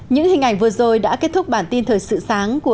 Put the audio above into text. những hình ảnh vừa rồi đã kết thúc